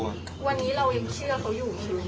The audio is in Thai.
วันนี้เรายังเชื่อเขาอยู่ใช่ไหม